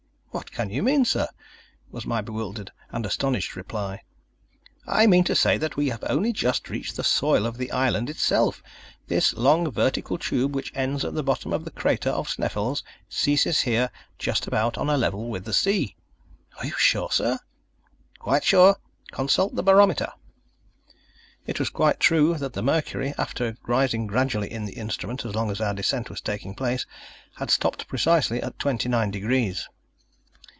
"What can you mean, sir?" was my bewildered and astonished reply. "I mean to say that we have only just reached the soil of the island itself. This long vertical tube, which ends at the bottom of the crater of Sneffels, ceases here just about on a level with the sea." "Are you sure, sir?" "Quite sure. Consult the barometer." It was quite true that the mercury, after rising gradually in the instrument, as long as our descent was taking place, had stopped precisely at twenty nine degrees.